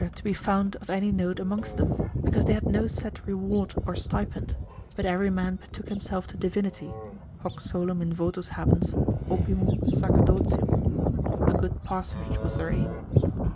to be found of any note amongst them, because they had no set reward or stipend, but every man betook himself to divinity, hoc solum in votis habens, opimum sacerdotium, a good parsonage was their aim.